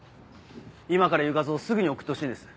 今から言う画像をすぐに送ってほしいんです。